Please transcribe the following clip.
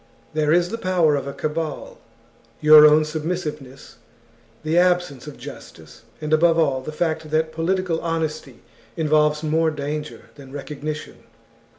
There is the power of a cabal, your own submissiveness, the absence of justice, and, above all, the fact that political honesty involves more danger than recognition.